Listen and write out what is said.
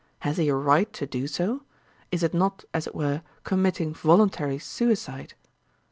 Has he a right to do so? Is it not, as it were, committing voluntary suicide?'